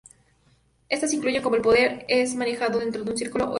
Estas incluyen cómo el poder es manejado dentro del círculo o el coven.